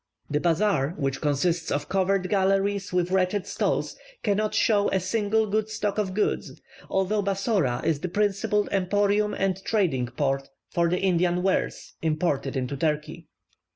The bazaar, which consists of covered galleries with wretched stalls, cannot show a single good stock of goods, although Bassora is the principal emporium and trading port for the Indian wares imported into Turkey.